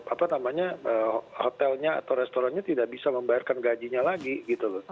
apa namanya hotelnya atau restorannya tidak bisa membayarkan gajinya lagi gitu loh